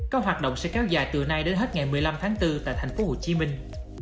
các hoạt động sẽ kéo dài từ nay đến hết ngày một mươi năm tháng bốn tại thành phố hồ chí minh